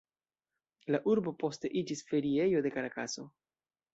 La urbo poste iĝis feriejo de Karakaso.